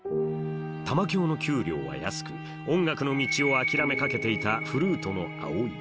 玉響の給料は安く音楽の道を諦めかけていたフルートの蒼